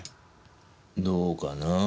どうかな？